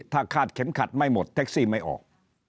ถ้าคาดเข็มขัดไม่หมดแท็กซี่ไม่ออก